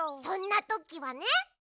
そんなときはね。